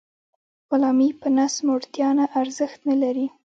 غلامي په نس موړتیا نه ارزښت نلري.